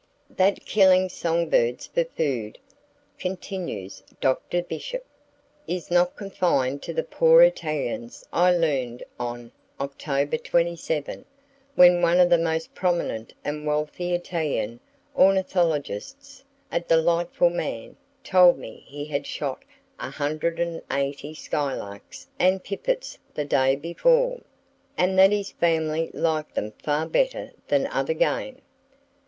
[Page 100] "That killing song birds for food," continues Dr. Bishop, "is not confined to the poor Italians I learned on October 27, when one of the most prominent and wealthy Italian ornithologists—a delightful man—told me he had shot 180 skylarks and pipits the day before, and that his family liked them far better than other game.